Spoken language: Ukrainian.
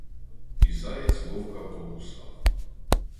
І заєць вовка покусав.